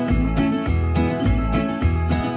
กินข้าวขอบคุณครับ